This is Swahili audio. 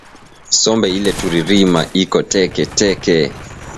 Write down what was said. Sombe ile turi rima iko teke teke